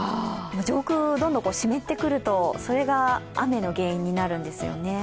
上空どんどん湿ってくると、それが雨の原因になるんですよね。